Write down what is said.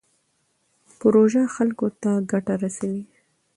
پروژه خلکو ته ګټه رسوي.